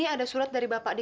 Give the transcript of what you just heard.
yang bawa waktu